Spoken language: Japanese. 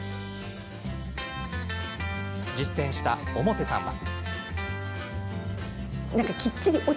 実践した百瀬さんは。